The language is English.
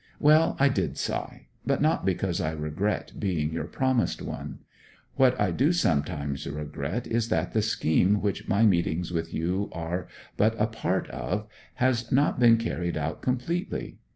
'Well, I did sigh; but not because I regret being your promised one. What I do sometimes regret is that the scheme, which my meetings with you are but a part of, has not been carried out completely.